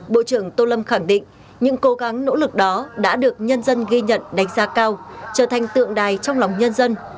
bộ trưởng tô lâm khẳng định những cố gắng nỗ lực đó đã được nhân dân ghi nhận đánh giá cao trở thành tượng đài trong lòng nhân dân